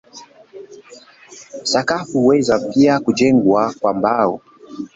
Sakafu huweza pia kujengwa kwa mbao.